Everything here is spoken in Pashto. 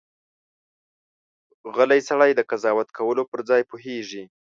غلی سړی، د قضاوت کولو پر ځای پوهېږي.